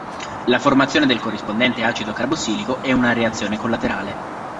La formazione del corrispondente acido carbossilico è una reazione collaterale.